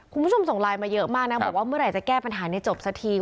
คุณผู้ชมส่งไลน์มาเยอะมากนะบอกว่าเมื่อไหร่จะแก้ปัญหานี้จบสักที